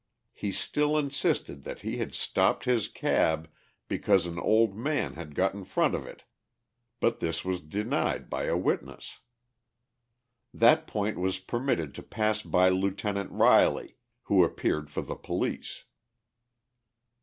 He still insisted that he had stopped his cab because an old man had got in front of it, but this was denied by a witness. That point was permitted to pass by Lieutenant Riley, who appeared for the police.